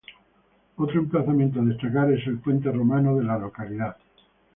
Otro emplazamiento a destacar es el puente romano en la localidad.